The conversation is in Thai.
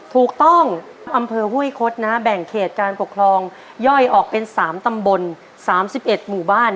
อำเภอห้วยคดนะฮะแบ่งเขตการปกครองย่อยออกเป็น๓ตำบล๓๑หมู่บ้าน